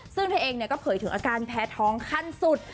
ซึ่งเพื่อนเองเนี่ยเผยถึงอาการแพ้ท้องคันสุด